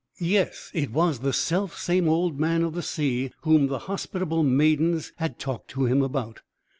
Yes, it was the selfsame Old Man of the Sea whom the hospitable maidens had talked to him about.